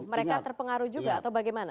mereka terpengaruh juga atau bagaimana